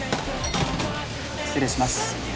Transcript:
失礼します。